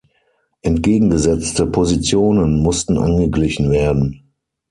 Entgegengesetzte Positionen mussten angeglichen werden.